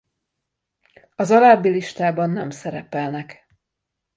Az alábbi listában nem szerepelnek